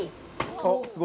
あっすごい。